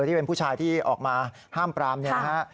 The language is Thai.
ที่เป็นผู้ชายที่ออกมาห้ามปรามนะครับ